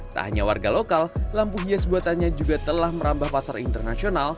tak hanya warga lokal lampu hias buatannya juga telah merambah pasar internasional